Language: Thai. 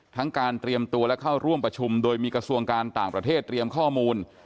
การเตรียมตัวและเข้าร่วมประชุมโดยมีกระทรวงการต่างประเทศเตรียมข้อมูล